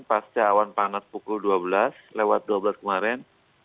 pasca awan panas pukul dua belas lewat dua belas kemarin